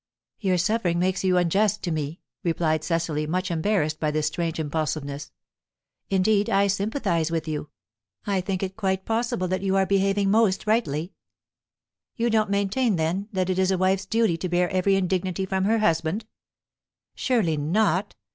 "Your suffering makes you unjust to me," replied Cecily, much embarrassed by this strange impulsiveness. "Indeed I sympathize with you. I think it quite possible that you are behaving most rightly." "You don't maintain, then, that it is a wife's duty to bear every indignity from her husband?" "Surely not.